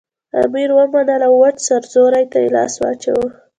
امیر ونه منله او وچ سرزوری ته لاس واچاوه.